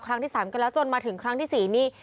ครั้งที่สามก็แล้วจนมาถึงครั้งที่สี่นี่